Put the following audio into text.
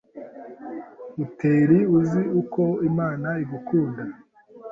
uteri uzi uko Imana igukunda!